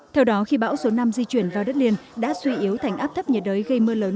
theo đó khi bão số năm di chuyển vào đất liền đã suy yếu thành áp thấp nhiệt đới gây mưa lớn